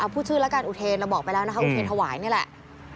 พูดชื่ออูเทนเราบอกไปแล้วอูเทนธวายนี่แหละ